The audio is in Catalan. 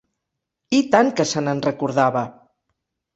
I tant que se n'enrecordava!